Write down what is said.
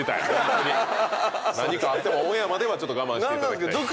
何かあってもオンエアまではちょっと我慢していただきたい。